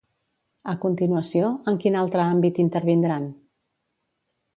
A continuació, en quin altre àmbit intervindran?